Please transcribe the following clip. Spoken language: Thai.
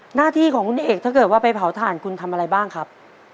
หน้าที่ของคุณเอกถ้าเกิดว่าไปเผาถ่านคุณทำอะไรบ้างครับ